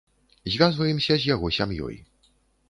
Звязваемся з яго сям'ёй.